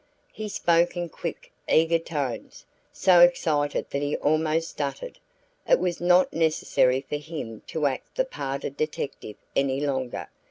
He spoke in quick, eager tones, so excited that he almost stuttered. It was not necessary for him to act the part of detective any longer.